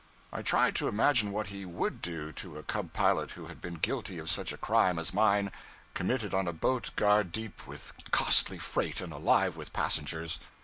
I tried to imagine what he _would _do to a cub pilot who had been guilty of such a crime as mine, committed on a boat guard deep with costly freight and alive with passengers.